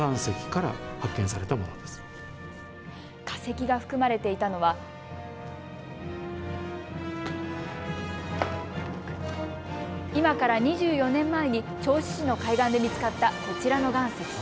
化石が含まれていたのは今から２４年前に銚子市の海岸で見つかったこちらの岩石。